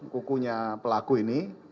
kukunya pelaku ini